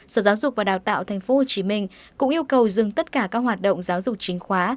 sở giáo dục và đào tạo tp hcm cũng yêu cầu dừng tất cả các hoạt động giáo dục chính khóa